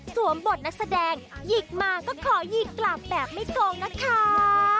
บทนักแสดงหยิกมาก็ขอหยิกกลับแบบไม่โกงนะคะ